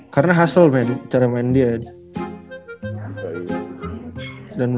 karena hustle cara main dia